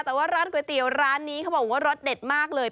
แต่ว่าร้านก๋วยเตี๋ยวร้านนี้เขาบอกว่ารสเด็ดมากเลย